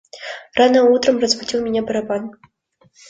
Рано утром разбудил меня барабан.